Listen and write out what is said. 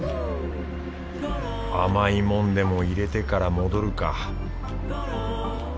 甘いもんでも入れてから戻るか